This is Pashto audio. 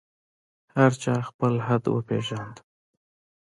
هر چا خپل حد وپېژاند.